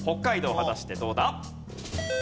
果たしてどうだ？